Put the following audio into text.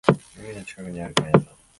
海の近くにあるパン屋さん